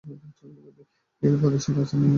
এর প্রাদেশিক রাজধানী ইয়াসুজ।